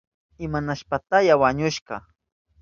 ¿Imanashpataya wañushka?